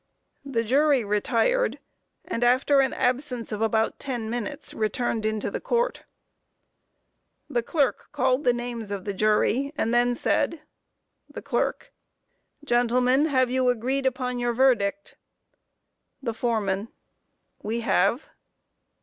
The jury retired, and after an absence of about ten minutes returned into court. The clerk called the names of the jury and then said: THE CLERK: Gentlemen, have you agreed upon your verdict? THE FOREMAN: We have.